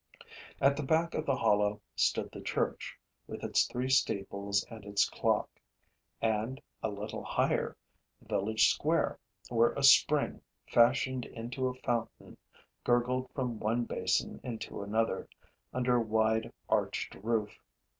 At the back of the hollow stood the church, with its three steeples and its clock; and, a little higher, the village square, where a spring, fashioned into a fountain, gurgled from one basin into another, under a wide arched roof.